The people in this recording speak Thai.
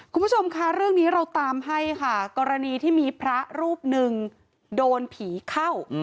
คุณผู้ชมค่ะเรื่องนี้เราตามให้ค่ะกรณีที่มีพระรูปหนึ่งโดนผีเข้า